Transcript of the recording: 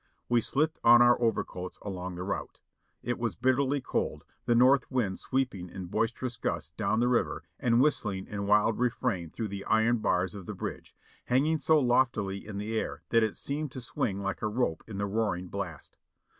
We slipped on our overcoats along the route. It was bitterly cold, the north wind sweeping in boisterous gusts down the river and whistling its wild refrain through the iron bars of the bridge, hanging so loftily in the air that it seemed to swing like a rope in the roaring blast.